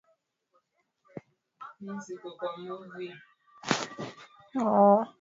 imi ni ebi shaban abdala na awali yeyote